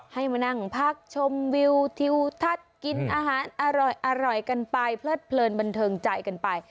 ให้มานั่งพักชมวิวทิวทัศน์กินอาหารอร่อยกันไปเพลิดเพลินบันเทิงใจกันไป